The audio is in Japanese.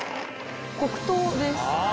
黒糖です。